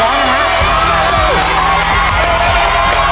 เชื่อแม่ด้วยนะลูก